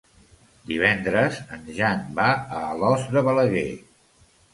Divendres en Jan va a Alòs de Balaguer.